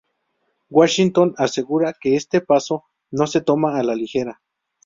Washington asegura que este paso "no se toma a la ligera".